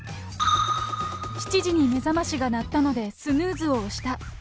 ７時に目覚ましが鳴ったので、スヌーズを押した。